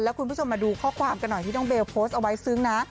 คุณผู้ชมมาดูข้อความกันหน่อยที่น้องเบลโพสต์เอาไว้ซึ้งนะ